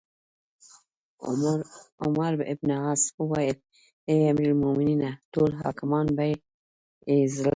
عمروبن عاص وویل: اې امیرالمؤمنینه! ټول حاکمان به بې زړه شي.